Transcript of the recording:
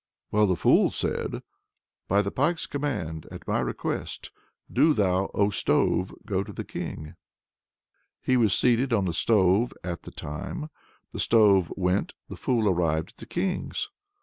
Well, the fool said: "By the Pike's command, at my request, do thou, O stove, go to the King!" He was seated on the stove at the time. The stove went; the fool arrived at the King's.